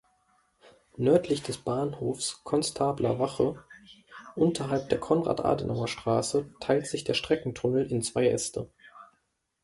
Nördlich des Bahnhofs Konstablerwache, unterhalb der Konrad-Adenauer-Straße, teilt sich der Streckentunnel in zwei Äste.